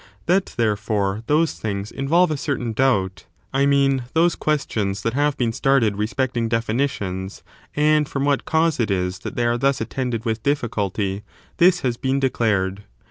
That, therefore, those • things involve a certain doubt, (I mean, those questions that have been started respecting definitions, and from what cause it is that they are thus attended with difficulty,) this has been declared.